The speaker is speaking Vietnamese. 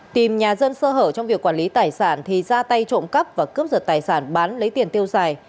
tìm nhà dân sơ hở trong việc quản lý tài sản thì ra tay trộm cắp và cướp giật tài sản bán lấy tiền tiêu xài